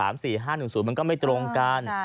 มันก็ไม่ตรงกัน